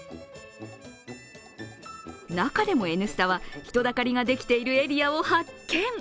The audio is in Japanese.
中でも「Ｎスタ」は、人だかりができているエリアを発見。